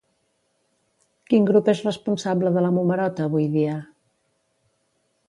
Quin grup és responsable de la Momerota avui dia?